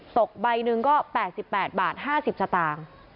ตกใบหนึ่งก็๘๘บาท๕๐สตางค์